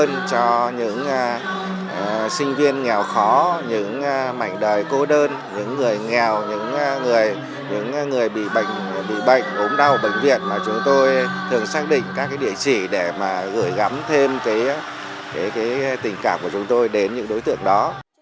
những sinh viên nghèo khó những mảnh đời cô đơn những người nghèo những người bị bệnh ốm đau bệnh viện mà chúng tôi thường xác định các địa chỉ để mà gửi gắm thêm cái tình cảm của chúng tôi đến những đối tượng đó